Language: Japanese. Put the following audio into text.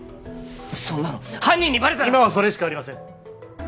そんなの犯人にバレたら今はそれしかありません